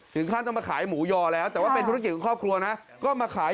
ถึงขั้นต้องมาขายหมูยอแล้วแต่ว่าเป็นธุรกิจของครอบครัวนะก็มาขาย